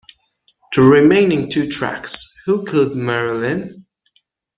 The remaining two tracks, Who Killed Marilyn?